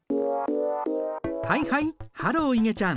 はいはいハローいげちゃん。